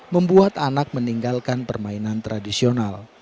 membuat anak meninggalkan permainan tradisional